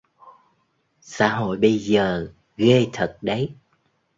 Xã hội bây giờ ghê thật đấy